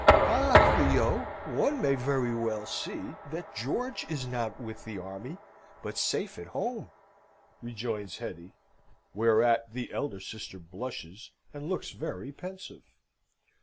"Ah, Theo! one may very well see that George is not with the army, but safe at home," rejoins Hetty; whereat the elder sister blushes, and looks very pensive.